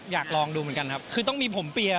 อยากลองดูเหมือนกันครับคือต้องมีผมเปียร์